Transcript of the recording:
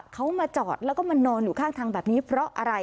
เขามาจอดแล้วก็มานอนอยู่ข้างทางแบบนี้เพราะอะไร